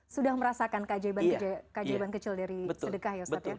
sudah merasakan keajaiban kecil dari sedekah ya ustadz ya